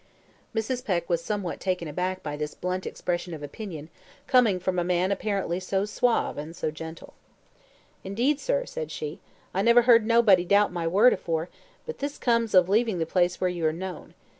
Mrs. Peck was somewhat taken aback by this blunt expression of opinion coming from a man apparently so suave and gentle. "Indeed, sir," said she, "I never heard nobody doubt my word afore; but this comes of leaving the place where you are known.